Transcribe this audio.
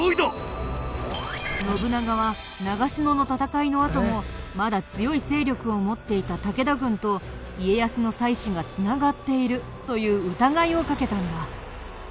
信長は長篠の戦いのあともまだ強い勢力を持っていた武田軍と家康の妻子が繋がっているという疑いをかけたんだ。